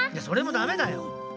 それもダメだよ。